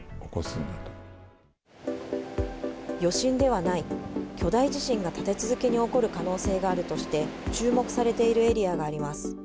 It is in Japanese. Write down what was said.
余震ではない巨大地震が立て続けに起こる可能性があるとして注目されているエリアがあります。